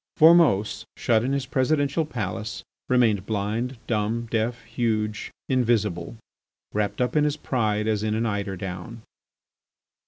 Formose, shut in his presidential palace, remained blind, dumb, deaf, huge, invisible, wrapped up in his pride as in an eider down.